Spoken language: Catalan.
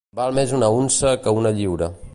Val més una unça que una lliura.